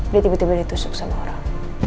dia tiba tiba ditusuk sama orang